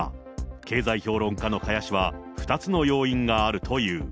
経済評論家の加谷氏は、２つの要因があるという。